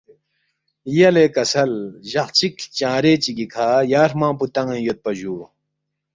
یلے کسل جق چِک ہلچنگرے چِگی کھہ یا ہرمنگ پو تان٘ین یودپا جُو